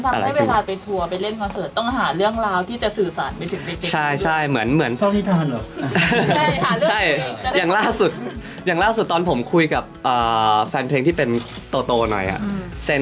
มาทำให้เวลาไปทัวร์ไปเล่นคอนเซิร์ต